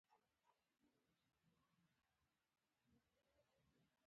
حیوانات په عمومي ډول په دوو لویو ډلو ویشل شوي دي